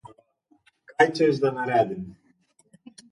Kaj želiš, da naredim?